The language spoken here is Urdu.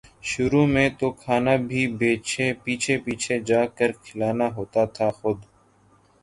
شروع میں تو کھانا بھی پیچھے پیچھے جا کر کھلانا ہوتا تھا خود